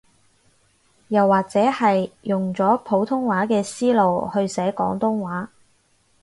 又或者係用咗普通話嘅思路去寫廣東話